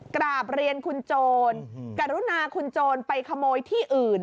กราบเรียนคุณโจรกรุณาคุณโจรไปขโมยที่อื่น